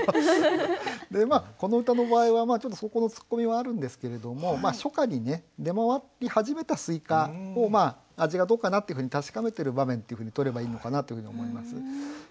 この歌の場合はちょっとそこの突っ込みはあるんですけれども初夏に出回り始めた西瓜を味がどうかなっていうふうに確かめてる場面というふうにとればいいのかなというふうに思います。